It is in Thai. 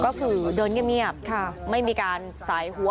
ก็คือเดินเงียบไม่มีการสายหัว